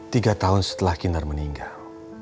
tiga tahun setelah kinar meninggal